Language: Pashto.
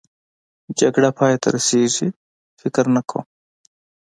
جګړه پای ته رسېږي؟ فکر نه کوم.